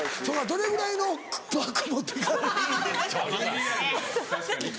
どれぐらいのバッグ持っていかれる。